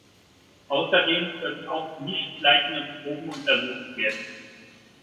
Außerdem können auch nichtleitende Proben untersucht werden.